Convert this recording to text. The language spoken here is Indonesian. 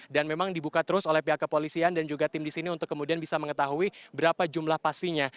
dan memang dibuka terus oleh pihak kepolisian dan juga tim di sini untuk kemudian bisa mengetahui berapa jumlah pastinya